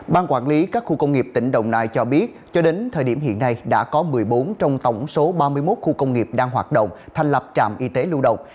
ban quản lý các khu công nghiệp tỉnh đồng nai cho biết cho đến thời điểm hiện nay đã có một mươi bốn trong tổng số ba mươi một khu công nghiệp đang hoạt động thành lập trạm y tế lưu động